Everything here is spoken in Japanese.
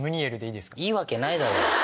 いいわけないだろ！